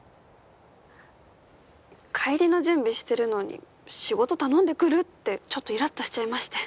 帰りの準備してるのに仕事頼んでくる？ってちょっとイラっとしちゃいまして。